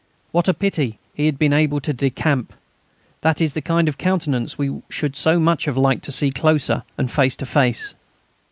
What a pity he had been able to decamp! That is the kind of countenance we should so much have liked to see closer and face to face.